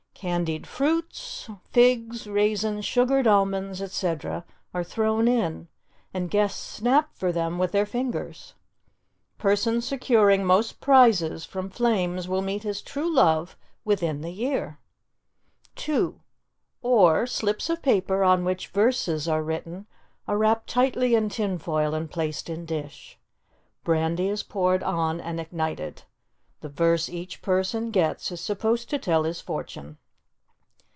Candied fruits, figs, raisins, sugared almonds, etc., are thrown in, and guests snap for them with their fingers; person securing most prizes from flames will meet his true love within the year. 2. Or, slips of paper on which verses are written are wrapped tightly in tin foil and placed in dish. Brandy is poured on and ignited. The verse each person gets is supposed to tell his fortune.